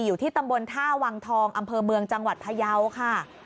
อยู่ที่ตำบลท่าวังทองอำเภอเมืองจังหวัดพยาวค่ะ